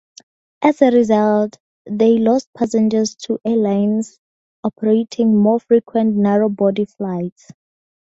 As a result, they lost passengers to airlines operating more frequent narrow body flights.